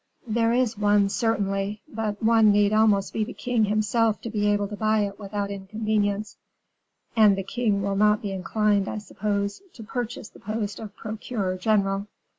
"There is one, certainly, but one need be almost the king himself to be able to buy it without inconvenience; and the king will not be inclined, I suppose, to purchase the post of procureur general."